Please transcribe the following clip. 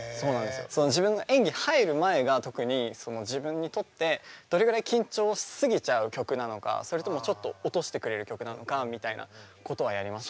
自分が演技入る前が特に自分にとってどれぐらい緊張し過ぎちゃう曲なのかそれともちょっと落としてくれる曲なのかみたいなことはやりますね。